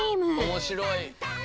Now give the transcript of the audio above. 面白い。